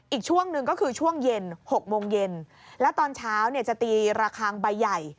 อีกช่วงหนึ่งก็คือช่วงเย็น๖โมงเย็นแล้วตอนเช้าเนี่ยจะตีระคังใบใหญ่